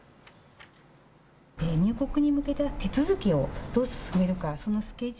入国に向けた手続きをどう進めるか。